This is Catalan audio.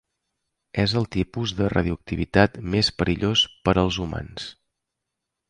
És el tipus de radioactivitat més perillós per als humans.